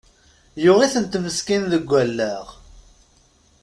Yuɣ-itent meskin deg allaɣ!